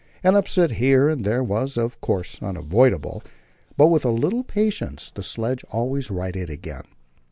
An upset here and there was, of course, unavoidable, but with a little patience the sledge was always righted again.